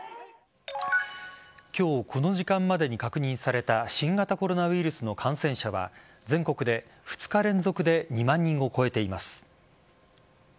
今日この時間までに確認された新型コロナウイルスの感染者は全国で２日連続で２万人を超えています。